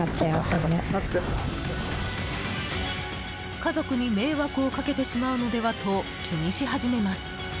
家族に迷惑をかけてしまうのではと気にし始めます。